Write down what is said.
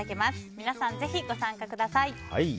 皆さんのぜひご参加ください。